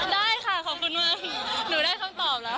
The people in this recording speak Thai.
ได้ค่ะขอบคุณมากหนูได้คำตอบแล้ว